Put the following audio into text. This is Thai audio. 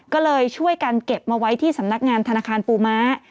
ก็เลยช่วยกันเก็บมาไว้ที่สำนักงานธนาคารปูม้า